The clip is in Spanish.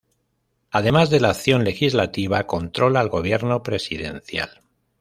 Además de la acción legislativa controla al gobierno presidencial.